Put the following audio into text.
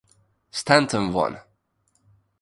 Stanton won.